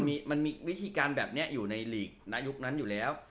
มันมีวิธีการแบบนี้อยู่ในหลีกในยุคนั้นอยู่แล้ว